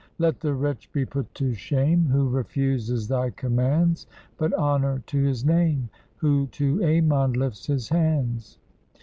Let the wretch be put to shame Who refuses thy commands. But honor to his name Who to Ammon Kf ts his hands.